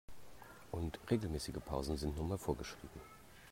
Und regelmäßige Pausen sind nun mal vorgeschrieben.